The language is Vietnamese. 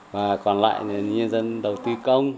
và còn lại là nhân dân đầu tư công